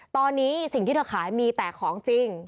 ตอนนี้สิ่งที่เธอขายมีแต่ของจริง